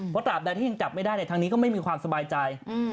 ว่าจากแต่ที่ยังจับได้ทางนี้ก็ไม่มีความสบายใจ